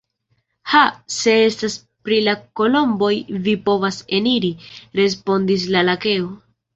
Ha! se estas pri la kolomboj vi povas eniri, respondis la lakeo.